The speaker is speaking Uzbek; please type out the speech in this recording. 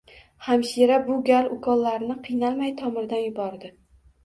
Hamshira bu gal ukollarni qiynalmay tomirdan yubordi